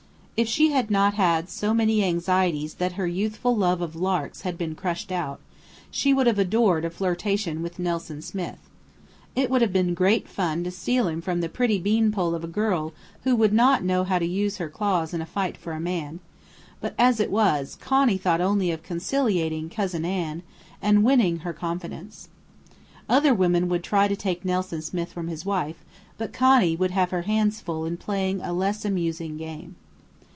If she had not had so many anxieties that her youthful love of "larks" had been crushed out, she would have "adored" a flirtation with Nelson Smith. It would have been "great fun" to steal him from the pretty beanpole of a girl who would not know how to use her claws in a fight for her man; but as it was, Connie thought only of conciliating "Cousin Anne," and winning her confidence. Other women would try to take Nelson Smith from his wife, but Connie would have her hands full in playing a less amusing game.